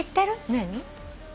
何？